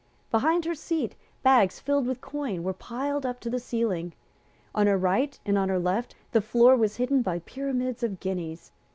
Behind her seat, bags filled with coin were piled up to the ceiling. On her right and on her left the floor was hidden by pyramids of guineas.